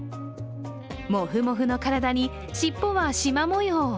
もふもふの体に尻尾はしま模様。